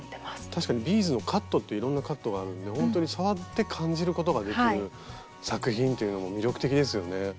確かにビーズのカットっていろんなカットがあるんでほんとに触って感じることができる作品っていうのも魅力的ですよね。